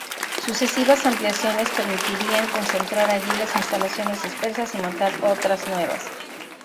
Sucesivas ampliaciones permitirían concentrar allí las instalaciones dispersas y montar otras nuevas.